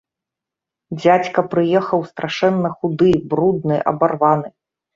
Дзядзька прыехаў страшэнна худы, брудны, абарваны.